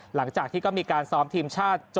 หลังจากที่ก็มีการซ้อมทีมชาติ